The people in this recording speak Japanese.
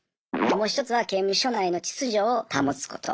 もう一つは刑務所内の秩序を保つこと。